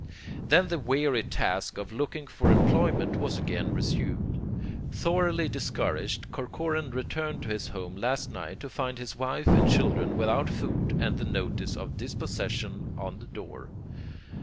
Then the weary task of looking for employment was again resumed. Thoroughly discouraged, Corcoran returned to his home late last night to find his wife and children without food and the notice of dispossession on the door.'